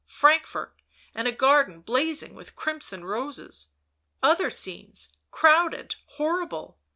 . Frankfort and a garden blazing with crimson roses, other scenes, crowded, horrible